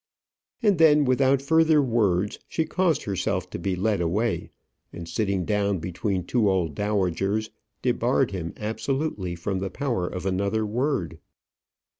And then, without further words, she caused herself to be led away, and sitting down between two old dowagers, debarred him absolutely from the power of another word.